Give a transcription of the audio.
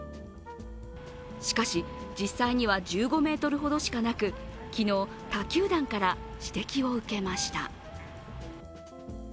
しかし、実際には１５ｍほどしかなく、昨日、他球団から指摘を受けました